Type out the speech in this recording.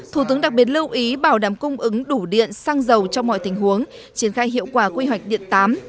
thủ tướng đặc biệt lưu ý bảo đảm cung ứng đủ điện xăng dầu trong mọi tình huống triển khai hiệu quả quy hoạch điện tám